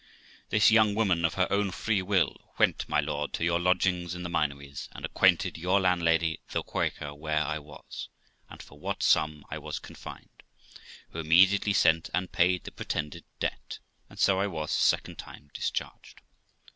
This young woman of her own free will, went, my lord, to your lodgings in the Minories, and acquainted your landlady, the Quaker, where I was, and for what sum I was confined, who immediately sent and paid the pretended debt, and so I was a second time discharged.